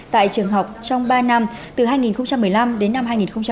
tại trường học trong ba năm từ hai nghìn một mươi năm đến năm hai nghìn một mươi tám